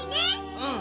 うん！